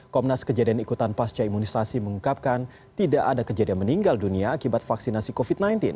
komnas kejadian ikutan pasca imunisasi mengungkapkan tidak ada kejadian meninggal dunia akibat vaksinasi covid sembilan belas